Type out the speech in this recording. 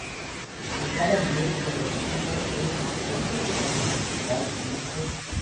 En cada nivel, el objetivo es que el personaje principal, Mr.